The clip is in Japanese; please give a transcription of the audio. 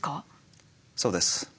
そうです。